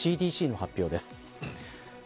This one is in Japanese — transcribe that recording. ＣＤＣの発表です。